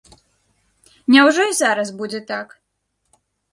Няўжо і зараз будзе так?